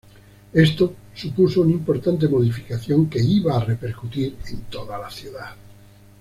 Esto supuso una importante modificación qui iba a repercutir en toda la ciudad.